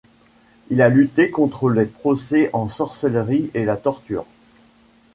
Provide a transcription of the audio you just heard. Il a lutté contre les procès en sorcellerie et la torture.